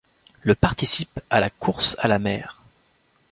Le participe à la course à la mer.